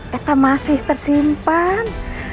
kita masih tersimpan